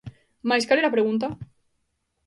Mais cal era a pregunta?